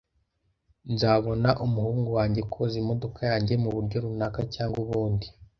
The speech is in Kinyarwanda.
Nzabona umuhungu wanjye koza imodoka yanjye muburyo runaka cyangwa ubundi